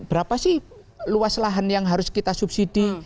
berapa sih luas lahan yang harus kita subsidi